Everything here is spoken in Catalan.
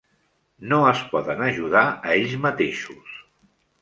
No es poden ajudar a ells mateixos.